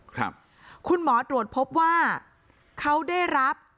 ครับคุณหมอตรวจพบว่าเขาได้รับ